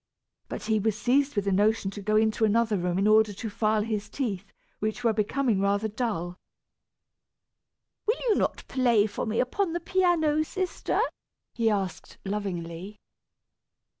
But he was seized with the notion to go into another room in order to file his teeth, which were becoming rather dull. "Will you not play for me upon the piano, sister?" he asked lovingly.